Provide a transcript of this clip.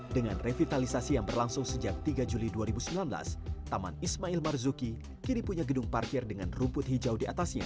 dengan revitalisasi yang berlangsung sejak tiga juli dua ribu sembilan belas taman ismail marzuki kini punya gedung parkir dengan rumput hijau di atasnya